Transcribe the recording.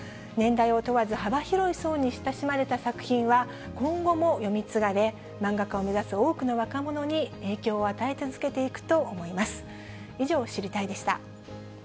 年代を問わず幅広い層に親しまれた作品は今後も読み継がれ、漫画家を目指す多くの若者に影響を与え続けていくと思います。